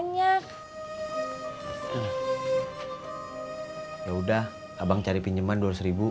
yaudah abang cari pinjeman rp dua ratus